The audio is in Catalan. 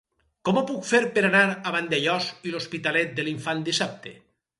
Com ho puc fer per anar a Vandellòs i l'Hospitalet de l'Infant dissabte?